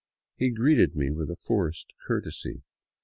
He greeted me with forced courtesy.